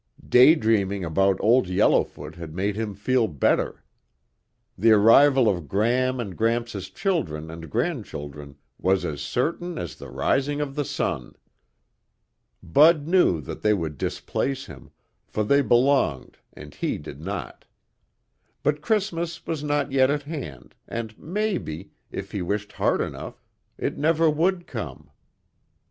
Daydreaming about Old Yellowfoot had made him feel better. The arrival of Gram and Gramps' children and grandchildren was as certain as the rising of the sun. Bud knew that they would displace him, for they belonged and he did not. But Christmas was not yet at hand and, maybe, if he wished hard enough, it never would come.